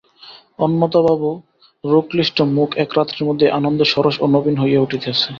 অন্নদাবাবু রোগক্লিষ্ট মুখ এক রাত্রির মধ্যেই আনন্দে সরস ও নবীন হইয়া উঠিয়াছে।